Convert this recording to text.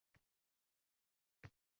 Ijod bog‘ining guldastalari